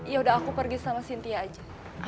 yaudah aku pergi sama cynthia aja